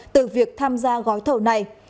từ việc tham gia gói thầu này